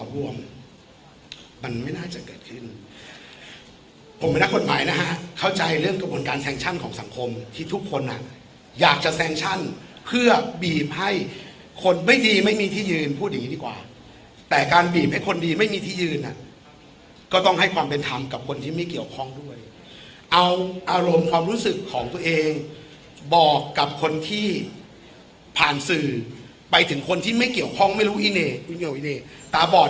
วงมันไม่น่าจะเกิดขึ้นผมเป็นนักกฎหมายนะฮะเข้าใจเรื่องกระบวนการแซงชั่นของสังคมที่ทุกคนอ่ะอยากจะแซงชั่นเพื่อบีบให้คนไม่ดีไม่มีที่ยืนพูดอย่างนี้ดีกว่าแต่การบีบให้คนดีไม่มีที่ยืนอ่ะก็ต้องให้ความเป็นธรรมกับคนที่ไม่เกี่ยวข้องด้วยเอาอารมณ์ความรู้สึกของตัวเองบอกกับคนที่ผ่านสื่อไปถึงคนที่ไม่เกี่ยวข้องไม่รู้อีเน่อีเน่ตาบอด